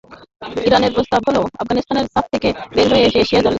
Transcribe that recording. ইরানের প্রস্তাব হলো, আফগানিস্তানকে সাফ থেকে বের করে মধ্য এশিয়ায় নিয়ে যেতে।